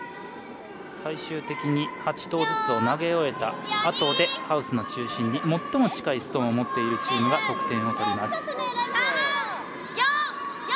最終的に８投ずつを投げ終えたあとでハウスの中心に最も近いストーンを持っているチームが得点を取ります。